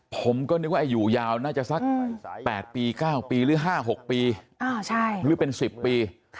ผมก็นึกว่าอยู่ยาวน่าจะสัก๘ปี๙ปีหรือ๕๖ปีหรือเป็น๑๐ปี